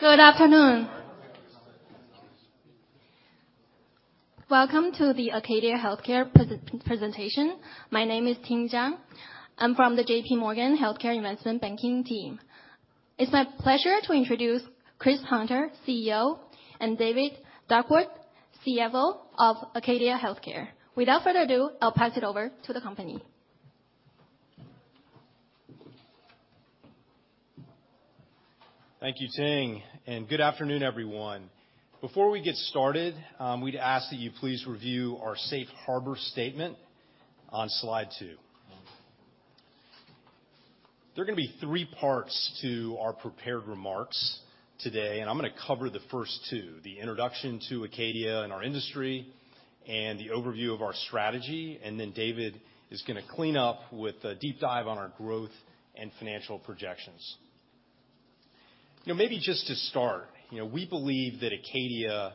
Good afternoon. Welcome to the Acadia Healthcare presentation. My name is Ting Zhang. I'm from the JPMorgan Healthcare Investment Banking team. It's my pleasure to introduce Christopher Hunter, CEO, and David Duckworth, CFO of Acadia Healthcare. Without further ado, I'll pass it over to the company. Thank you, Ting, and good afternoon, everyone. Before we get started, we'd ask that you please review our safe harbor statement on slide two. There are gonna be three parts to our prepared remarks today, and I'm gonna cover the first two, the introduction to Acadia and our industry and the overview of our strategy, and then David is gonna clean up with a deep dive on our growth and financial projections. You know, maybe just to start, you know, we believe that Acadia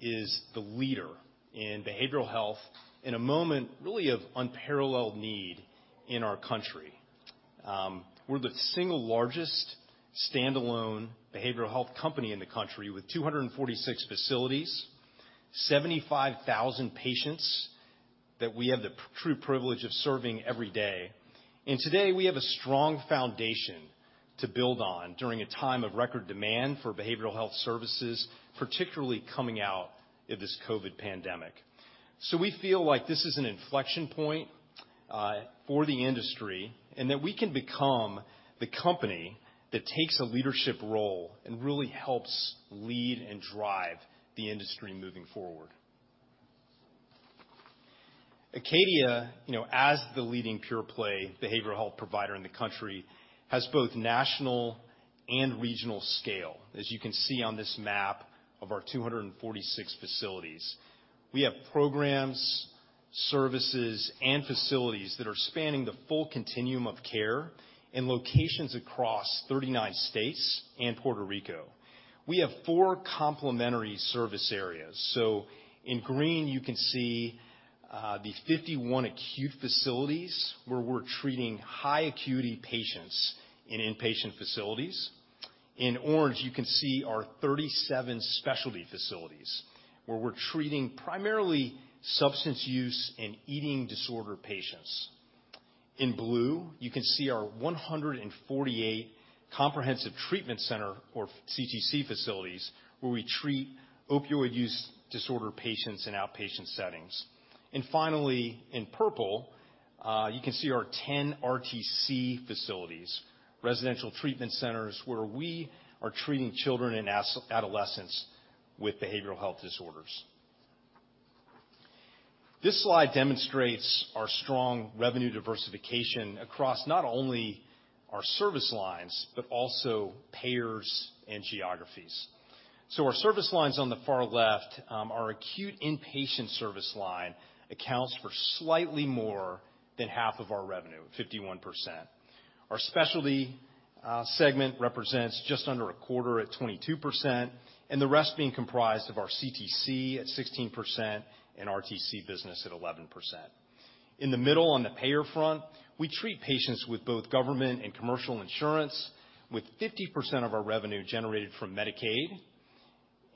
is the leader in behavioral health in a moment really of unparalleled need in our country. We're the single largest standalone behavioral health company in the country with 246 facilities, 75,000 patients that we have the true privilege of serving every day. Today, we have a strong foundation to build on during a time of record demand for behavioral health services, particularly coming out of this COVID pandemic. We feel like this is an inflection point for the industry, and that we can become the company that takes a leadership role and really helps lead and drive the industry moving forward. Acadia, you know, as the leading pure play behavioral health provider in the country, has both national and regional scale, as you can see on this map of our 246 facilities. We have programs, services, and facilities that are spanning the full continuum of care in locations across 39 states and Puerto Rico. We have four complementary service areas. In green, you can see the 51 acute facilities where we're treating high acuity patients in inpatient facilities. In orange, you can see our 37 specialty facilities, where we're treating primarily substance use and eating disorder patients. In blue, you can see our 148 comprehensive treatment center or CTC facilities, where we treat opioid use disorder patients in outpatient settings. Finally, in purple, you can see our 10 RTC facilities, residential treatment centers, where we are treating children and adolescents with behavioral health disorders. This slide demonstrates our strong revenue diversification across not only our service lines but also payers and geographies. Our service lines on the far left, our acute inpatient service line accounts for slightly more than half of our revenue, 51%. Our specialty segment represents just under a quarter at 22%, and the rest being comprised of our CTC at 16% and RTC business at 11%. In the middle on the payer front, we treat patients with both government and commercial insurance, with 50% of our revenue generated from Medicaid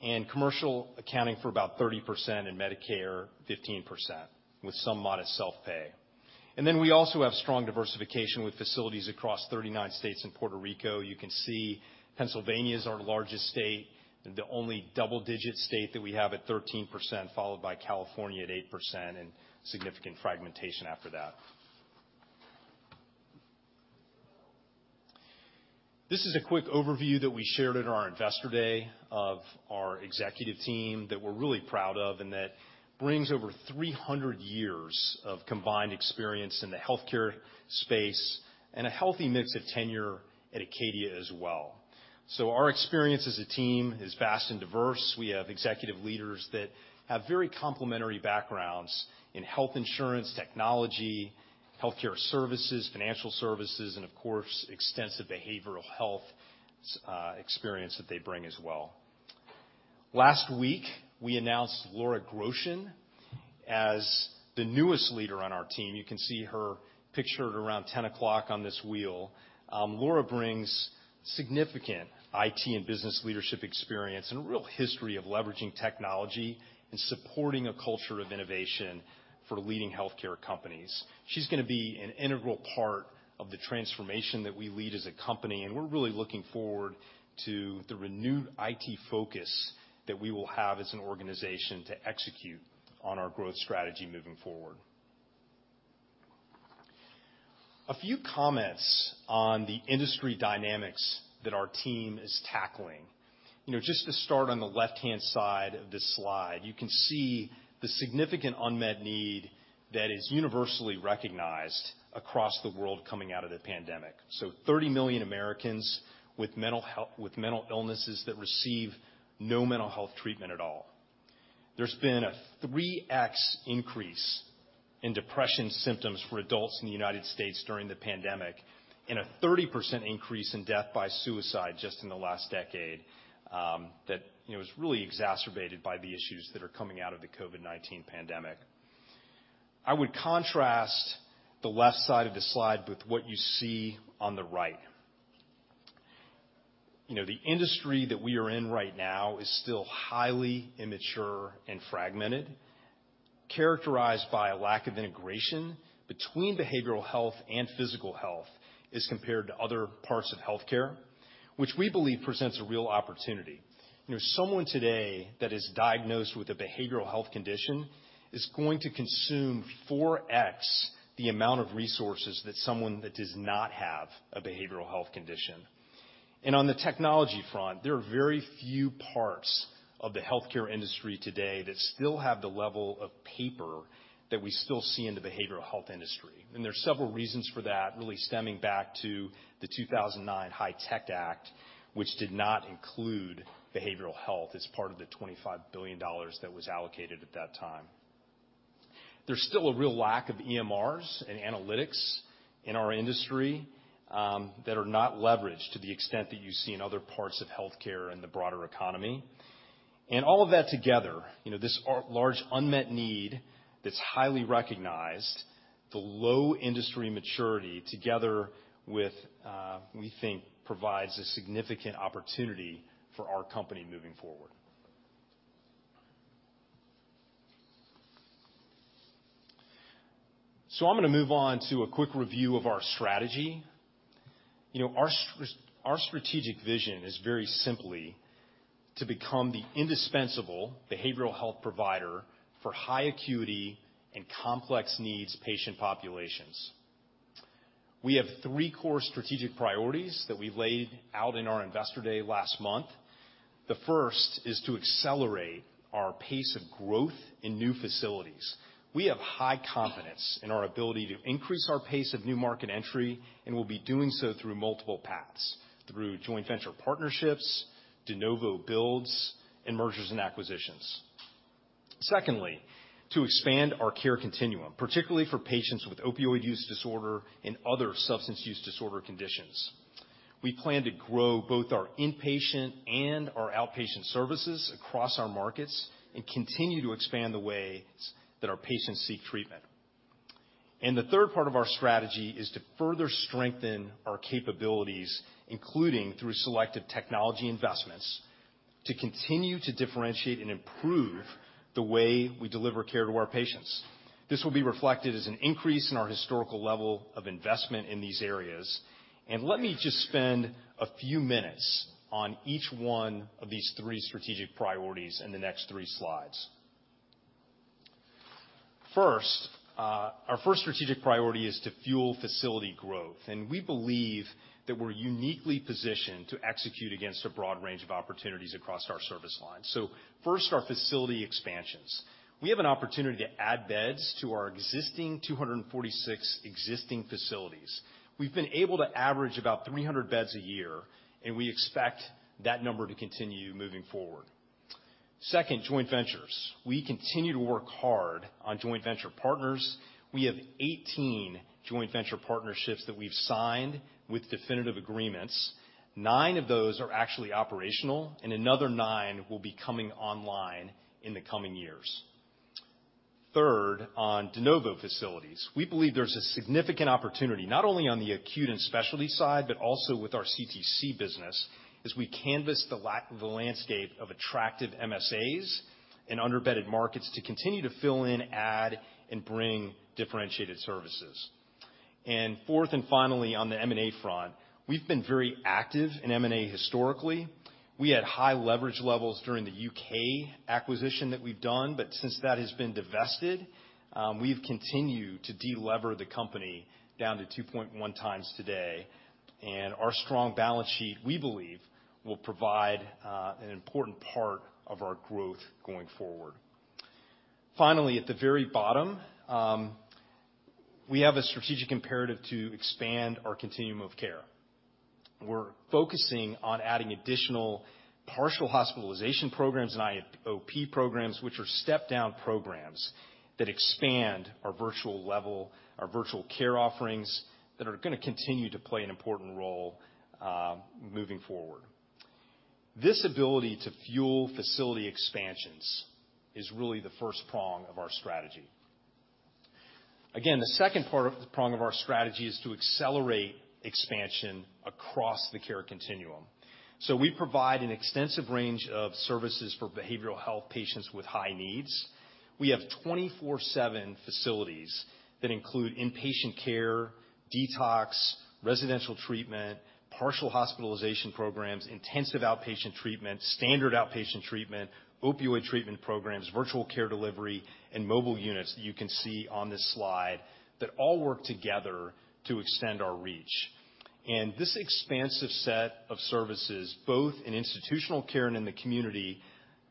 and commercial accounting for about 30% in Medicare, 15%, with some modest self-pay. We also have strong diversification with facilities across 39 states and Puerto Rico. You can see Pennsylvania is our largest state and the only double-digit state that we have at 13%, followed by California at 8% and significant fragmentation after that. This is a quick overview that we shared at our investor day of our executive team that we're really proud of and that brings over 300 years of combined experience in the healthcare space and a healthy mix of tenure at Acadia as well. Our experience as a team is vast and diverse. We have executive leaders that have very complementary backgrounds in health insurance, technology, healthcare services, financial services, and of course, extensive behavioral health experience that they bring as well. Last week, we announced Laura Groshans as the newest leader on our team. You can see her pictured around 10 o'clock on this wheel. Laura brings significant IT and business leadership experience and a real history of leveraging technology and supporting a culture of innovation for leading healthcare companies. She's gonna be an integral part of the transformation that we lead as a company, and we're really looking forward to the renewed IT focus that we will have as an organization to execute on our growth strategy moving forward. A few comments on the industry dynamics that our team is tackling. You know, just to start on the left-hand side of this slide. You can see the significant unmet need that is universally recognized across the world coming out of the pandemic. Thirty million Americans with mental illnesses that receive no mental health treatment at all. There's been a 3x increase in depression symptoms for adults in the United States during the pandemic and a 30% increase in death by suicide just in the last decade, that, you know, was really exacerbated by the issues that are coming out of the COVID-19 pandemic. I would contrast the left side of the slide with what you see on the right. You know, the industry that we are in right now is still highly immature and fragmented, characterized by a lack of integration between behavioral health and physical health as compared to other parts of health care, which we believe presents a real opportunity. You know, someone today that is diagnosed with a behavioral health condition is going to consume 4x the amount of resources that someone that does not have a behavioral health condition. On the technology front, there are very few parts of the health care industry today that still have the level of paper that we still see in the behavioral health industry. There's several reasons for that, really stemming back to the 2009 HITECH Act, which did not include behavioral health as part of the $25 billion that was allocated at that time. There's still a real lack of EMRs and analytics in our industry that are not leveraged to the extent that you see in other parts of health care and the broader economy. All of that together, you know, this large unmet need that's highly recognized, the low industry maturity together with, we think provides a significant opportunity for our company moving forward. I'm gonna move on to a quick review of our strategy. You know, our strategic vision is very simply to become the indispensable behavioral health provider for high acuity and complex needs patient populations. We have three core strategic priorities that we laid out in our Investor Day last month. The first is to accelerate our pace of growth in new facilities. We have high confidence in our ability to increase our pace of new market entry, and we'll be doing so through multiple paths, through joint venture partnerships, de novo builds, and mergers and acquisitions. Secondly, to expand our care continuum, particularly for patients with opioid use disorder and other substance use disorder conditions. We plan to grow both our inpatient and our outpatient services across our markets and continue to expand the ways that our patients seek treatment. The third part of our strategy is to further strengthen our capabilities, including through selective technology investments, to continue to differentiate and improve the way we deliver care to our patients. This will be reflected as an increase in our historical level of investment in these areas. Let me just spend a few minutes on each one of these three strategic priorities in the next three slides. First, our first strategic priority is to fuel facility growth, and we believe that we're uniquely positioned to execute against a broad range of opportunities across our service lines. First, our facility expansions. We have an opportunity to add beds to our existing 246 existing facilities. We've been able to average about 300 beds a year. We expect that number to continue moving forward. Second, joint ventures. We continue to work hard on joint venture partners. We have 18 joint venture partnerships that we've signed with definitive agreements. Nine of those are actually operational. Another 9 will be coming online in the coming years. Third, on de novo facilities. We believe there's a significant opportunity, not only on the acute and specialty side, but also with our CTC business as we canvas the landscape of attractive MSAs and under-bedded markets to continue to fill in, add, and bring differentiated services. Fourth and finally, on the M&A front. We've been very active in M&A historically. We had high leverage levels during the U.K. acquisition that we've done. Since that has been divested, we've continued to de-lever the company down to 2.1x today. Our strong balance sheet, we believe, will provide an important part of our growth going forward. Finally, at the very bottom, we have a strategic imperative to expand our continuum of care. We're focusing on adding additional partial hospitalization programs and IOP programs, which are step-down programs that expand our virtual level, our virtual care offerings that are gonna continue to play an important role moving forward. This ability to fuel facility expansions is really the first prong of our strategy. Again, the second prong of our strategy is to accelerate expansion across the care continuum. We provide an extensive range of services for behavioral health patients with high needs. We have 24/7 facilities that include inpatient care, detox, residential treatment, partial hospitalization programs, intensive outpatient treatment, standard outpatient treatment, opioid treatment programs, virtual care delivery, and mobile units that you can see on this slide that all work together to extend our reach. This expansive set of services, both in institutional care and in the community,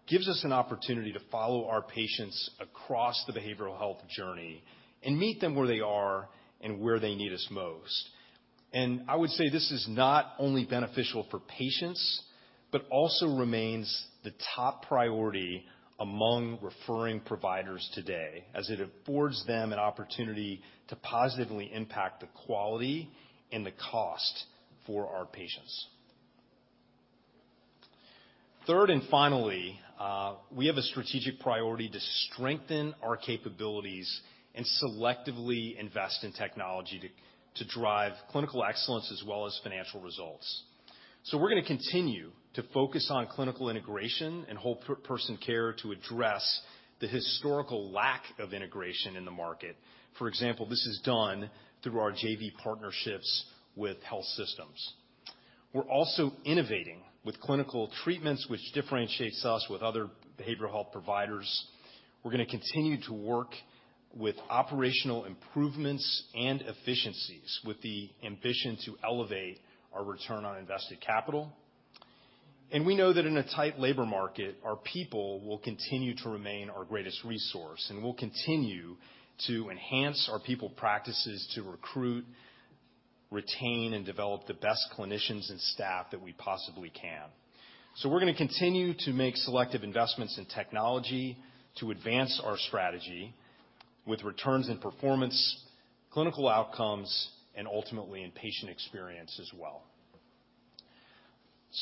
gives us an opportunity to follow our patients across the behavioral health journey and meet them where they are and where they need us most. I would say this is not only beneficial for patients, but also remains the top priority among referring providers today as it affords them an opportunity to positively impact the quality and the cost for our patients. Third, and finally, we have a strategic priority to strengthen our capabilities and selectively invest in technology to drive clinical excellence as well as financial results. We're gonna continue to focus on clinical integration and whole per-person care to address the historical lack of integration in the market. For example, this is done through our JV partnerships with health systems. We're also innovating with clinical treatments, which differentiates us with other behavioral health providers. We're gonna continue to work with operational improvements and efficiencies with the ambition to elevate our return on invested capital. We know that in a tight labor market, our people will continue to remain our greatest resource, and we'll continue to enhance our people practices to recruit, retain, and develop the best clinicians and staff that we possibly can. We're gonna continue to make selective investments in technology to advance our strategy with returns in performance, clinical outcomes, and ultimately, in patient experience as well.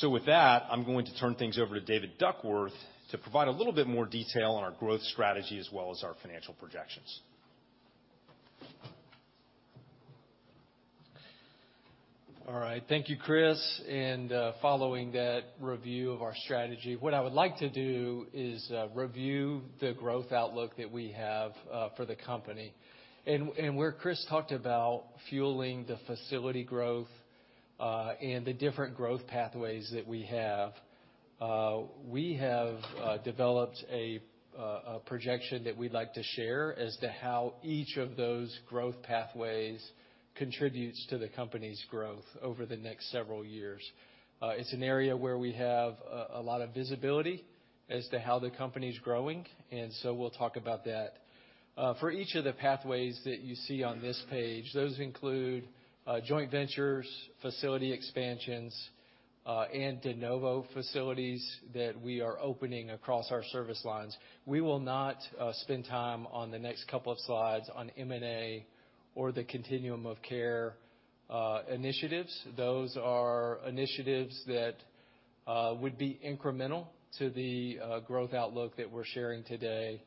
With that, I'm going to turn things over to David Duckworth to provide a little bit more detail on our growth strategy as well as our financial projections. All right. Thank you, Chris. Following that review of our strategy, what I would like to do is review the growth outlook that we have for the company. Where Chris talked about fueling the facility growth and the different growth pathways that we have, we have developed a projection that we'd like to share as to how each of those growth pathways contributes to the company's growth over the next several years. It's an area where we have a lot of visibility as to how the company's growing, so we'll talk about that. For each of the pathways that you see on this page, those include joint ventures, facility expansions, and de novo facilities that we are opening across our service lines. We will not spend time on the next couple of slides on M&A or the continuum of care initiatives. Those are initiatives that would be incremental to the growth outlook that we're sharing today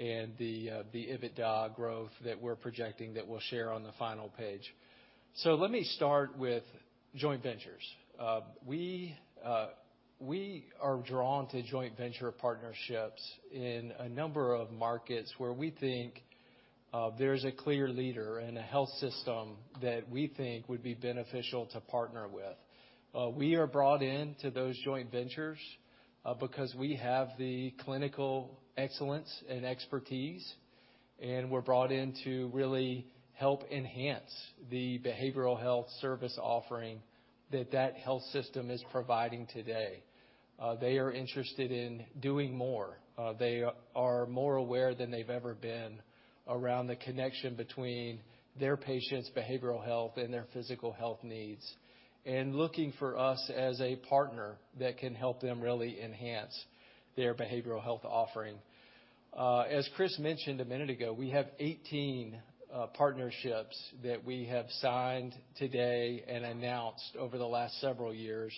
and the EBITDA growth that we're projecting that we'll share on the final page. Let me start with joint ventures. We are drawn to joint venture partnerships in a number of markets where we think there's a clear leader and a health system that we think would be beneficial to partner with. We are brought into those joint ventures because we have the clinical excellence and expertise, and we're brought in to really help enhance the behavioral health service offering that that health system is providing today. They are interested in doing more. They are more aware than they've ever been around the connection between their patients' behavioral health and their physical health needs and looking for us as a partner that can help them really enhance their behavioral health offering. As Chris mentioned a minute ago, we have 18 partnerships that we have signed today and announced over the last several years.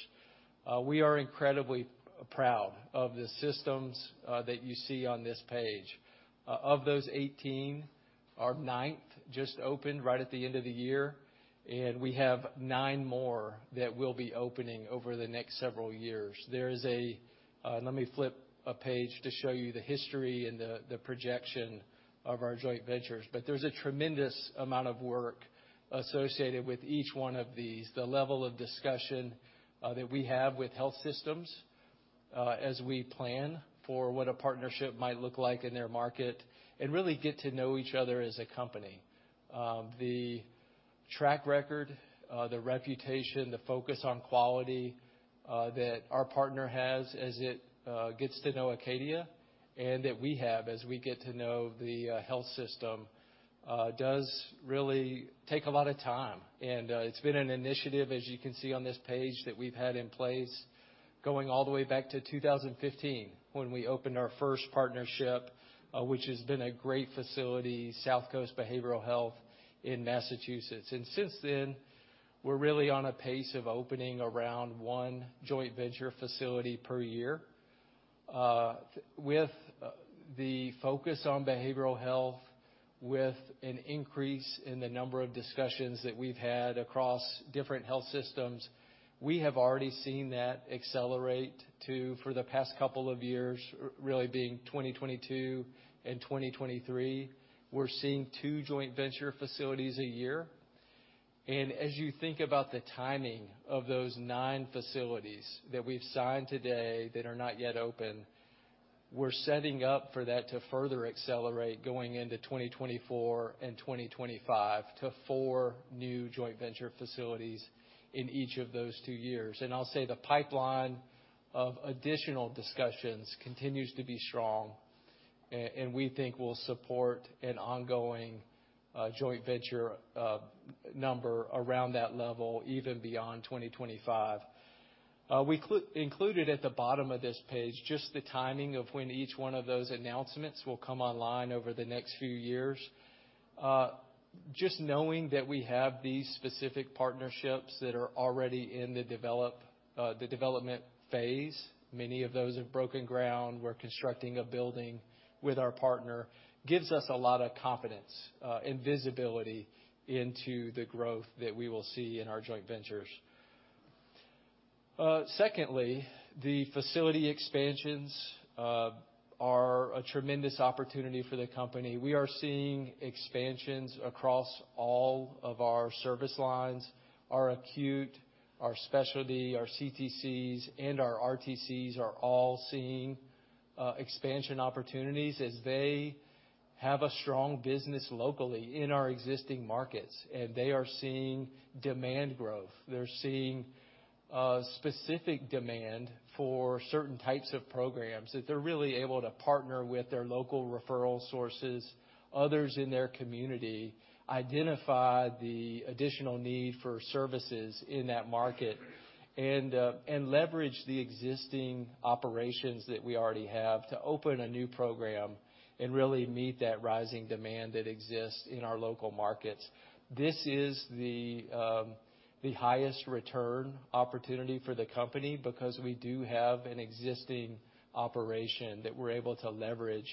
We are incredibly proud of the systems that you see on this page. Of those 18, our ninth just opened right at the end of the year, and we have nine more that will be opening over the next several years. There is let me flip a page to show you the history and the projection of our joint ventures. There's a tremendous amount of work associated with each one of these. The level of discussion that we have with health systems, as we plan for what a partnership might look like in their market, and really get to know each other as a company. The track record, the reputation, the focus on quality that our partner has as it gets to know Acadia and that we have as we get to know the health system, does really take a lot of time. It's been an initiative, as you can see on this page, that we've had in place going all the way back to 2015 when we opened our first partnership, which has been a great facility, Southcoast Behavioral Health in Massachusetts. Since then, we're really on a pace of opening around one joint venture facility per year. With the focus on behavioral health, with an increase in the number of discussions that we've had across different health systems, we have already seen that accelerate to, for the past couple of years, really being 2022 and 2023. We're seeing two joint venture facilities a year. As you think about the timing of those nine facilities that we've signed today that are not yet open, we're setting up for that to further accelerate going into 2024 and 2025 to four new joint venture facilities in each of those two years. I'll say the pipeline of additional discussions continues to be strong, and we think will support an ongoing joint venture number around that level even beyond 2025. We included at the bottom of this page just the timing of when each one of those announcements will come online over the next few years. Just knowing that we have these specific partnerships that are already in the development phase, many of those have broken ground, we're constructing a building with our partner, gives us a lot of confidence and visibility into the growth that we will see in our joint ventures. Secondly, the facility expansions are a tremendous opportunity for the company. We are seeing expansions across all of our service lines. Our acute, our specialty, our CTCs, and our RTCs are all seeing expansion opportunities as they have a strong business locally in our existing markets, and they are seeing demand growth. They're seeing specific demand for certain types of programs, that they're really able to partner with their local referral sources, others in their community, identify the additional need for services in that market, and leverage the existing operations that we already have to open a new program and really meet that rising demand that exists in our local markets. This is the highest return opportunity for the company because we do have an existing operation that we're able to leverage,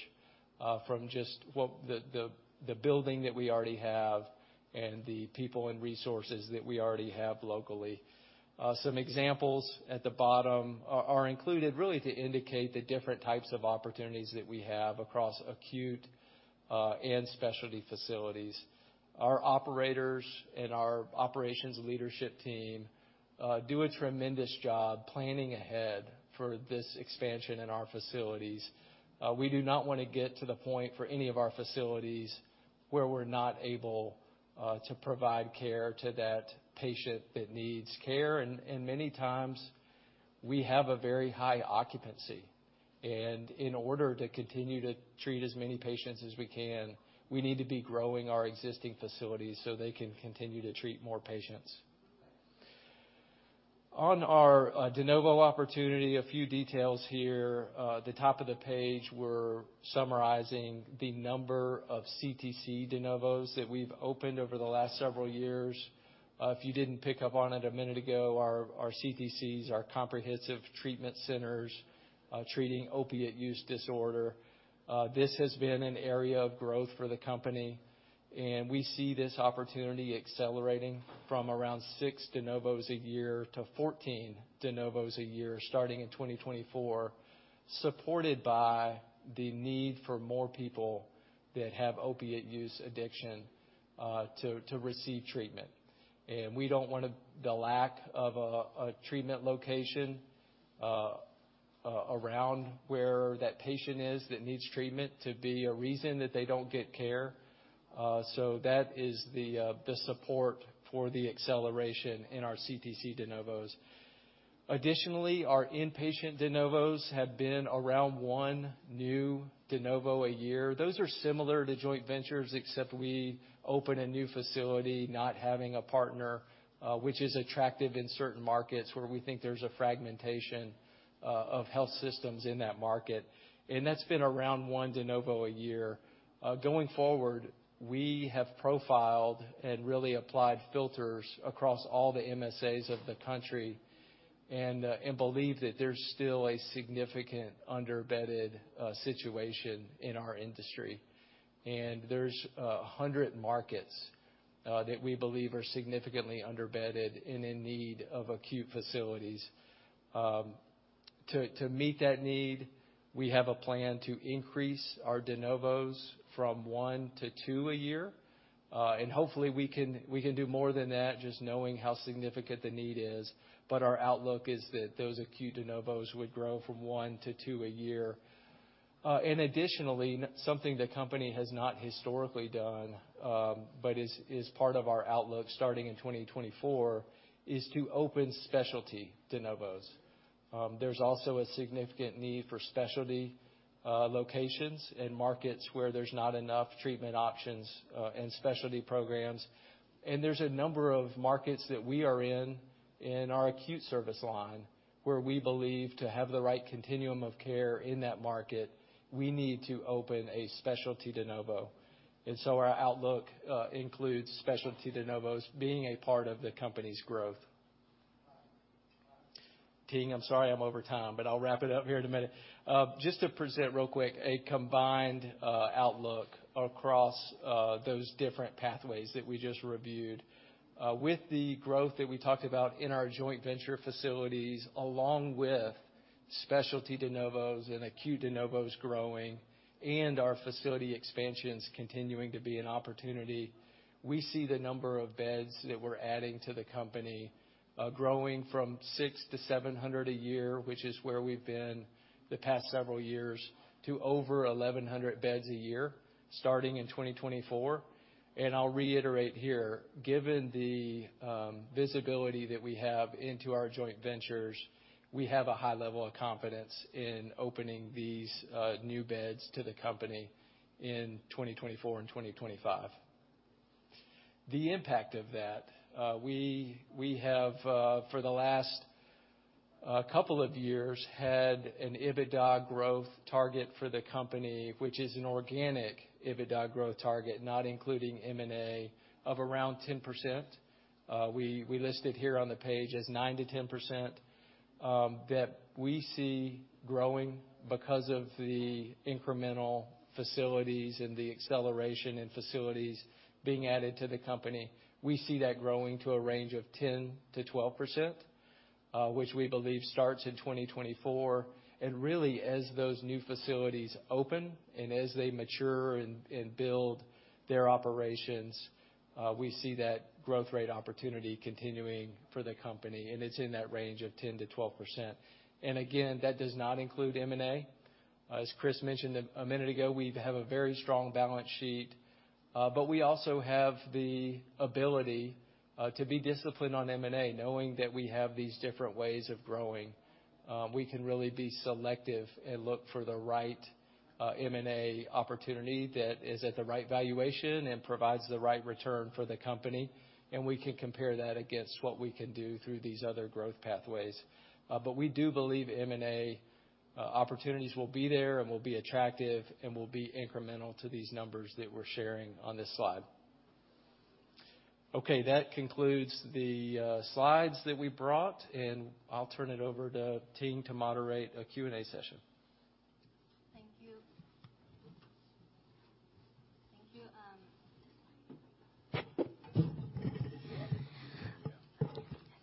from just what the building that we already have and the people and resources that we already have locally. Some examples at the bottom are included, really to indicate the different types of opportunities that we have across acute and specialty facilities. Our operators and our operations leadership team, do a tremendous job planning ahead for this expansion in our facilities. We do not wanna get to the point for any of our facilities where we're not able to provide care to that patient that needs care. Many times, we have a very high occupancy. In order to continue to treat as many patients as we can, we need to be growing our existing facilities so they can continue to treat more patients. On our de novo opportunity, a few details here. The top of the page, we're summarizing the number of CTC de novos that we've opened over the last several years. If you didn't pick up on it a minute ago, our CTCs, our comprehensive treatment centers, treating opiate use disorder. This has been an area of growth for the company, and we see this opportunity accelerating from around six de novos a year to 14 de novos a year, starting in 2024, supported by the need for more people that have opiate use addiction to receive treatment. We don't want the lack of a treatment location around where that patient is that needs treatment to be a reason that they don't get care. That is the support for the acceleration in our CTC de novos. Additionally, our inpatient de novos have been around one new de novo a year. Those are similar to joint ventures, except we open a new facility, not having a partner, which is attractive in certain markets where we think there's a fragmentation of health systems in that market. That's been around one de novo a year. Going forward, we have profiled and really applied filters across all the MSAs of the country and believe that there's still a significant under-bedded situation in our industry. There's 100 markets that we believe are significantly under-bedded and in need of acute facilities. To meet that need, we have a plan to increase our de novos from one to two a year. Hopefully we can, we can do more than that, just knowing how significant the need is, but our outlook is that those acute de novos would grow from one to two a year. Additionally, something the company has not historically done, but is part of our outlook starting in 2024, is to open specialty de novos. There's also a significant need for specialty locations and markets where there's not enough treatment options and specialty programs. There's a number of markets that we are in in our acute service line, where we believe to have the right continuum of care in that market, we need to open a specialty de novo. Our outlook includes specialty de novos being a part of the company's growth. Ting, I'm sorry, I'm over time, but I'll wrap it up here in a minute. Just to present real quick a combined outlook across those different pathways that we just reviewed. With the growth that we talked about in our joint venture facilities, along with specialty de novos and acute de novos growing and our facility expansions continuing to be an opportunity, we see the number of beds that we're adding to the company, growing from 600-700 a year, which is where we've been the past several years, to over 1,100 beds a year, starting in 2024. I'll reiterate here, given the visibility that we have into our joint ventures, we have a high level of confidence in opening these new beds to the company in 2024 and 2025. The impact of that, we have for the last couple of years had an EBITDA growth target for the company, which is an organic EBITDA growth target, not including M&A of around 10%. We listed here on the page as 9%-10% that we see growing because of the incremental facilities and the acceleration in facilities being added to the company. We see that growing to a range of 10%-12% which we believe starts in 2024. Really, as those new facilities open and as they mature and build their operations, we see that growth rate opportunity continuing for the company, and it's in that range of 10%-12%. Again, that does not include M&A. As Chris mentioned a minute ago, we have a very strong balance sheet, but we also have the ability to be disciplined on M&A. Knowing that we have these different ways of growing, we can really be selective and look for the right M&A opportunity that is at the right valuation and provides the right return for the company, and we can compare that against what we can do through these other growth pathways. We do believe M&A opportunities will be there and will be attractive and will be incremental to these numbers that we're sharing on this slide. Okay, that concludes the slides that we brought, and I'll turn it over to Ting to moderate a Q&A session.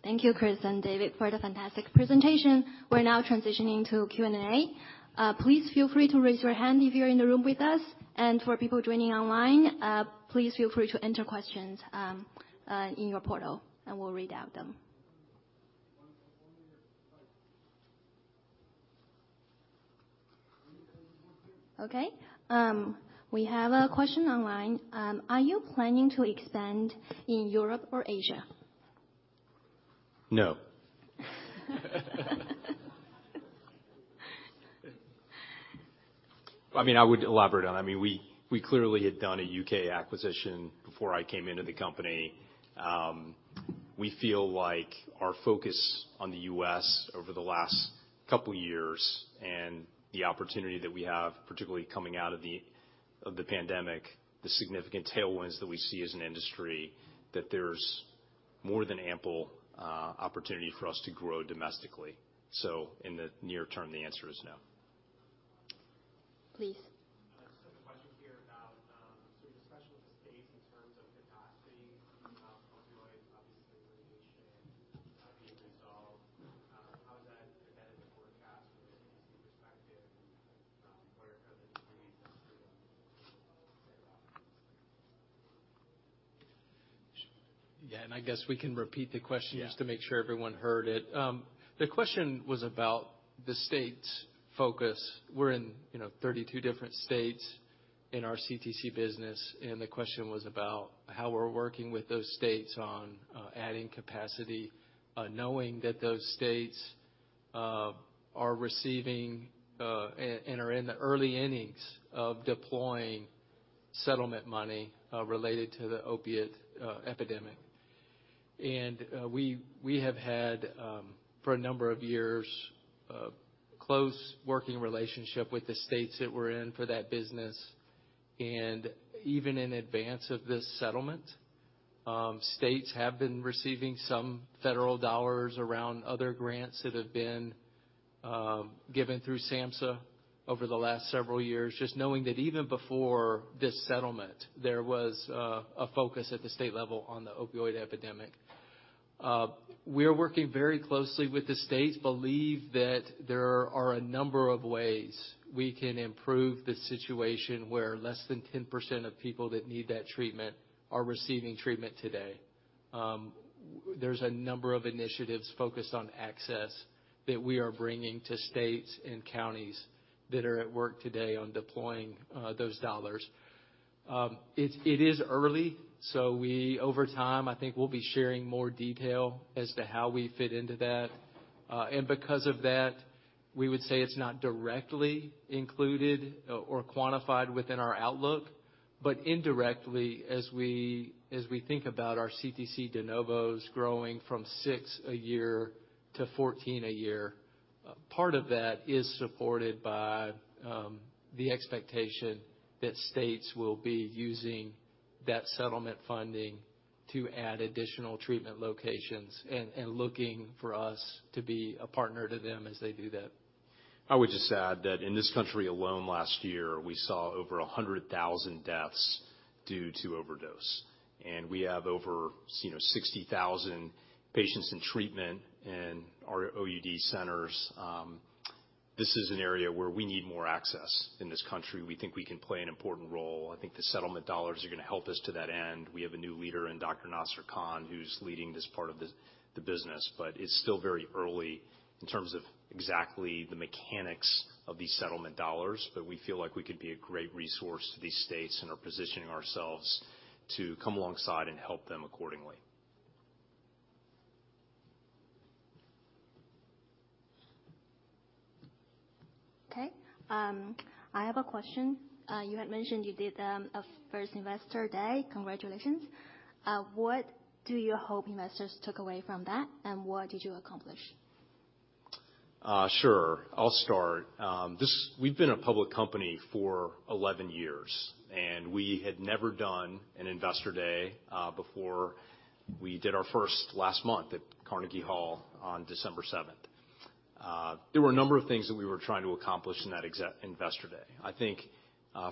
Thank you. Thank you. Thank you, Chris and David for the fantastic presentation. We're now transitioning to Q&A. Please feel free to raise your hand if you're in the room with us. For people joining online, please feel free to enter questions in your portal, and we'll read out them. Okay. We have a question online. Are you planning to expand in Europe or Asia? No. I mean, I would elaborate on I mean, we clearly had done a U.K. acquisition before I came into the company. We feel like our focus on the U.S. over the last couple years and the opportunity that we have, particularly coming out of the pandemic, the significant tailwinds that we see as an industry, that there's more than ample opportunity for us to grow domestically. In the near term, the answer is no. Please. I just have a question here about, sort of the specialist states in terms of capacity, you know, opioid obviously litigation being resolved. How is that embedded in the forecast from a CTC perspective? What are kind of the degrees of freedom say about. Yeah. I guess we can repeat the question. Yeah. just to make sure everyone heard it. The question was about the state's focus. We're in, you know, 32 different states in our CTC business, and the question was about how we're working with those states on adding capacity, knowing that those states are receiving and are in the early innings of deploying settlement money related to the opioid epidemic. We have had for a number of years, a close working relationship with the states that we're in for that business. Even in advance of this settlement, states have been receiving some federal dollars around other grants that have been given through SAMHSA over the last several years. Just knowing that even before this settlement, there was a focus at the state level on the opioid epidemic. We're working very closely with the states, believe that there are a number of ways we can improve the situation where less than 10% of people that need that treatment are receiving treatment today. There's a number of initiatives focused on access that we are bringing to states and counties that are at work today on deploying those dollars. It, it is early, so over time, I think we'll be sharing more detail as to how we fit into that. Because of that, we would say it's not directly included or quantified within our outlook. indirectly, as we think about our CTC de novos growing from six a year to 14 a year, part of that is supported by the expectation that states will be using that settlement funding to add additional treatment locations and looking for us to be a partner to them as they do that. I would just add that in this country alone last year, we saw over 100,000 deaths due to overdose. We have over, you know, 60,000 patients in treatment in our OUD centers. This is an area where we need more access in this country. We think we can play an important role. I think the settlement dollars are gonna help us to that end. We have a new leader in Dr. Nasser Khan, who's leading this part of the business. It's still very early in terms of exactly the mechanics of these settlement dollars, but we feel like we could be a great resource to these states and are positioning ourselves to come alongside and help them accordingly. Okay. I have a question. You had mentioned you did a first Investor Day. Congratulations. What do you hope investors took away from that, and what did you accomplish? Sure. I'll start. We've been a public company for 11 years, and we had never done an investor day, before we did our first last month at Carnegie Hall on December 7. There were a number of things that we were trying to accomplish in that investor day. I think,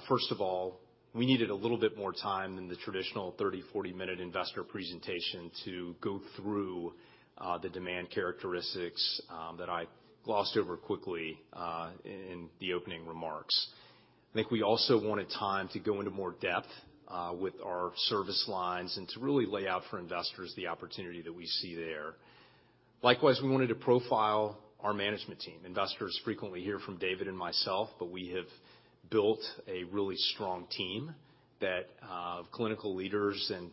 first of all, we needed a little bit more time than the traditional 30, 40-minute investor presentation to go through, the demand characteristics, that I glossed over quickly, in the opening remarks. I think we also wanted time to go into more depth, with our service lines and to really lay out for investors the opportunity that we see there. Likewise, we wanted to profile our management team. Investors frequently hear from David and myself. We have built a really strong team that have clinical leaders and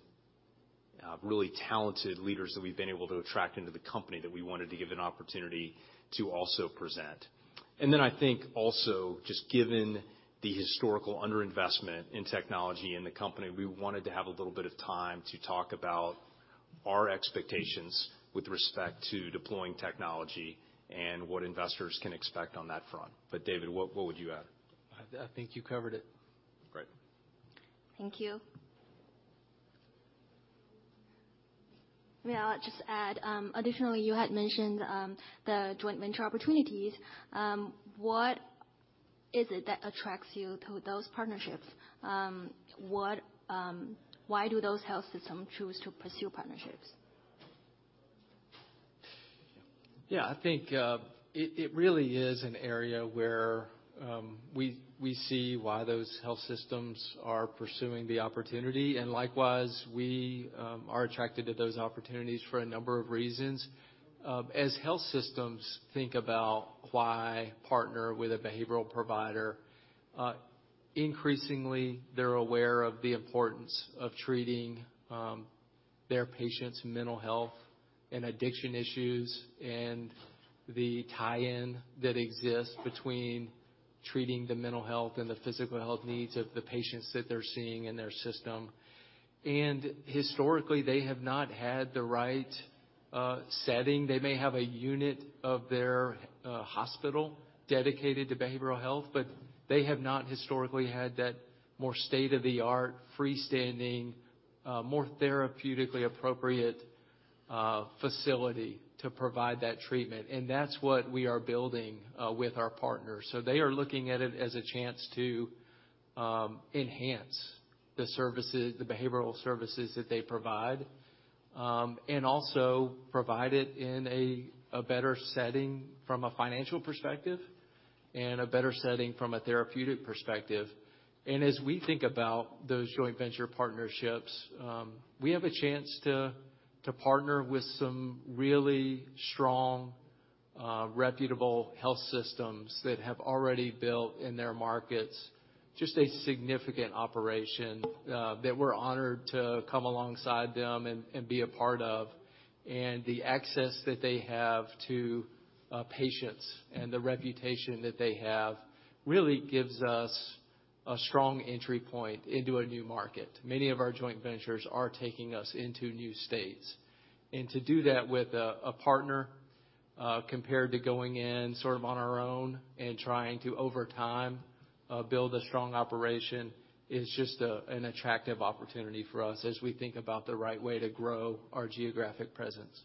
really talented leaders that we've been able to attract into the company that we wanted to give an opportunity to also present. I think also, just given the historical underinvestment in technology in the company, we wanted to have a little bit of time to talk about our expectations with respect to deploying technology and what investors can expect on that front. David, what would you add? I think you covered it. Great. Thank you. May I just add, additionally, you had mentioned, the joint venture opportunities. What is it that attracts you to those partnerships? Why do those health system choose to pursue partnerships? Yeah, I think, it really is an area where we see why those health systems are pursuing the opportunity, and likewise, we are attracted to those opportunities for a number of reasons. As health systems think about why partner with a behavioral provider, increasingly they're aware of the importance of treating their patients' mental health and addiction issues and the tie-in that exists between treating the mental health and the physical health needs of the patients that they're seeing in their system. Historically, they have not had the right setting. They may have a unit of their hospital dedicated to behavioral health, but they have not historically had that more state-of-the-art, freestanding, more therapeutically appropriate facility to provide that treatment, and that's what we are building with our partners. They are looking at it as a chance to enhance the services, the behavioral services that they provide and also provide it in a better setting from a financial perspective and a better setting from a therapeutic perspective. As we think about those joint venture partnerships, we have a chance to partner with some really strong, reputable health systems that have already built in their markets, just a significant operation that we're honored to come alongside them and be a part of. The access that they have to patients and the reputation that they have really gives us a strong entry point into a new market. Many of our joint ventures are taking us into new states. To do that with a partner, compared to going in sort of on our own and trying to, over time, build a strong operation is just, an attractive opportunity for us as we think about the right way to grow our geographic presence.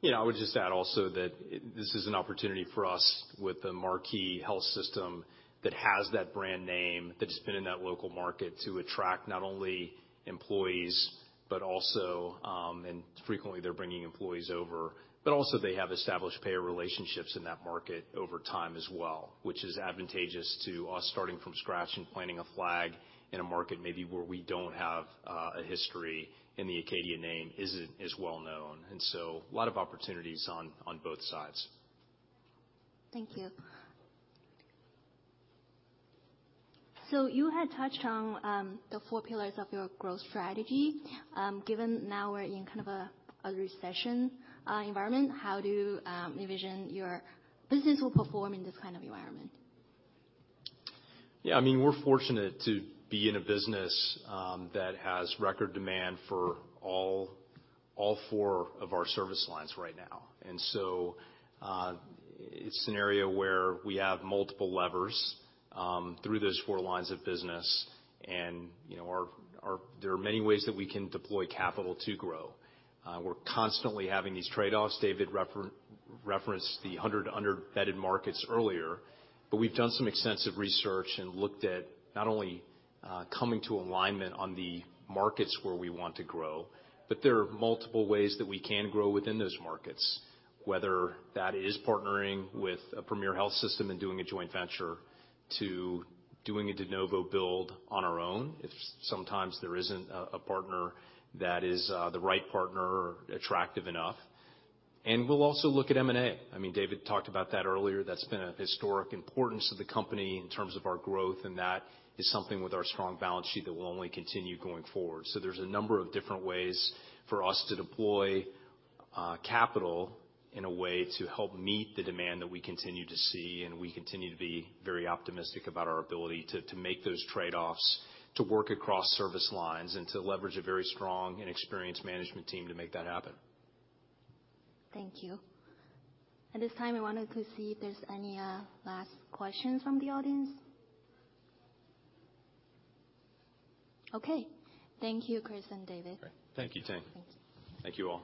Yeah. I would just add also that this is an opportunity for us with the Maury Regional Health system that has that brand name that's been in that local market to attract not only employees, but also, and frequently they're bringing employees over, but also they have established payer relationships in that market over time as well, which is advantageous to us starting from scratch and planting a flag in a market maybe where we don't have a history and the Acadia name isn't as well known. A lot of opportunities on both sides. Thank you. You had touched on, the four pillars of your growth strategy. Given now we're in kind of a recession, environment, how do you envision your business will perform in this kind of environment? Yeah. I mean, we're fortunate to be in a business that has record demand for all four of our service lines right now. It's a scenario where we have multiple levers through those four lines of business and, you know, our, there are many ways that we can deploy capital to grow. We're constantly having these trade-offs. David referenced the 100 under bedded markets earlier. We've done some extensive research and looked at not only coming to alignment on the markets where we want to grow, but there are multiple ways that we can grow within those markets, whether that is partnering with a premier health system and doing a joint venture to doing a de novo build on our own, if sometimes there isn't a partner that is the right partner or attractive enough. We'll also look at M&A. I mean, David talked about that earlier. That's been a historic importance to the company in terms of our growth, and that is something with our strong balance sheet that will only continue going forward. There's a number of different ways for us to deploy capital in a way to help meet the demand that we continue to see, and we continue to be very optimistic about our ability to make those trade-offs, to work across service lines, and to leverage a very strong and experienced management team to make that happen. Thank you. At this time, I wanted to see if there's any last questions from the audience? Okay. Thank you, Chris and David. Great. Thank you, Ting. Thank you. Thank you all.